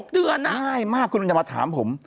๖เดือนน่ะตอนมาถามผม